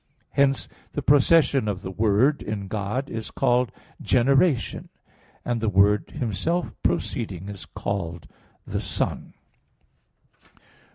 4). Hence the procession of the Word in God is called generation; and the Word Himself proceeding is called the Son.